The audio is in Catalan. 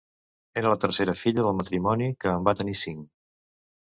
Era la tercera filla del matrimoni, que en va tenir cinc.